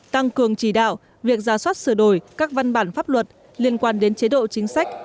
tăng cường chỉ đạo việc ra soát sửa đổi các văn bản pháp luật liên quan đến chế độ chính sách